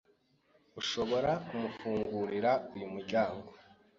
Urashobora kumfungurira uyu muryango?